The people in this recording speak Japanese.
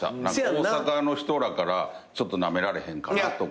大阪の人らからちょっとなめられへんかなとか。